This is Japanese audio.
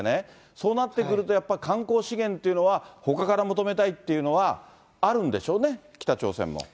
そうなってくるとやっぱり観光資源というのはほかから求めたいっていうのはあるんでしょうね、北朝鮮も。